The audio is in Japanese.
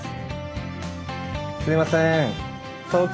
すいません。